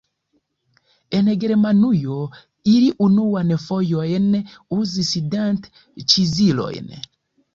En Germanujo ili unuan fojojn uzis dent-ĉizilojn.